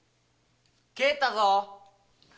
・帰ったぞ！